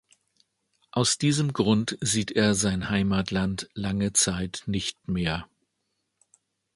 Aus diesem Grund sieht er sein Heimatland lange Zeit nicht mehr.